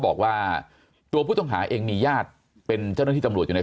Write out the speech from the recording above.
บอกว่าตัวพุทธวาเองมีญาติเป็นเจ้าหน้าที่ตำรวจวิธีใน